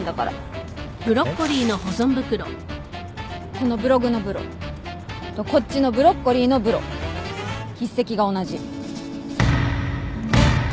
このブログの「ブロ」とこっちのブロッコリーの「ブロ」筆跡が同じ。